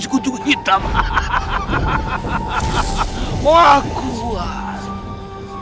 aku sudah sehat